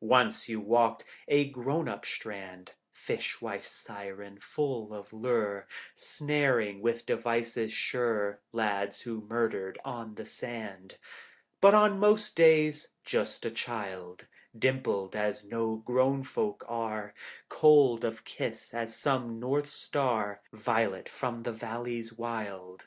Once you walked a grown up strand Fish wife siren, full of lure, Snaring with devices sure Lads who murdered on the sand. But on most days just a child Dimpled as no grown folk are, Cold of kiss as some north star, Violet from the valleys wild.